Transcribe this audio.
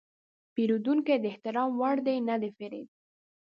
پیرودونکی د احترام وړ دی، نه د فریب.